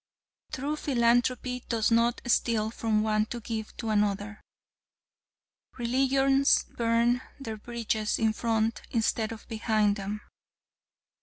True philanthropy does not steal from one to give to another. Religions burn their bridges in front instead of behind them.